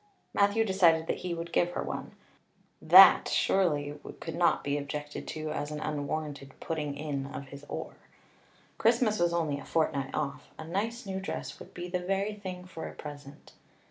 Matthew decided that he would give her one; that surely could not be objected to as an unwarranted putting in of his oar. Christmas was only a fortnight off. A nice new dress would be the very thing for a present.